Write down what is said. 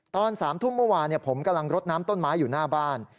ตอน๓ทุ่มเมื่อวานผมกำลังรดน้ำต้นไม้อยู่หน้าบ้าน